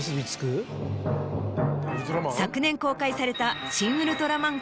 昨年公開された『シン・ウルトラマン』